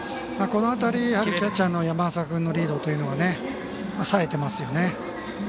この辺り、キャッチャーの山浅君のリードというのがさえてますよね。